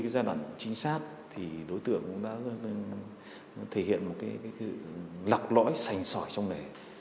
giảm đu nguyện một lạc lõi sành sỏi trong lề